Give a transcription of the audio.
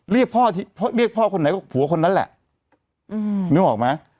เรียกพ่อเรียกพ่อคนไหนก็ผัวคนนั้นแหละนึกออกไหม